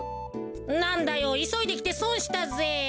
なんだよいそいできてそんしたぜ。